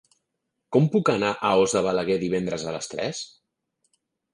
Com puc anar a Os de Balaguer divendres a les tres?